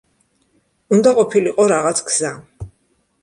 უნდა ყოფილიყო რაღაც გზა.